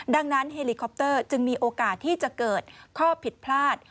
ดังนั้นเฮลิคอปเตอร์จึงมีโอกาสที่จะเกิดข้อผิดพลาด